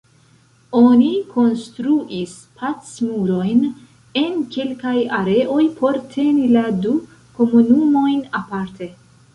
Oni konstruis "Pacmurojn" en kelkaj areoj por teni la du komunumojn aparte.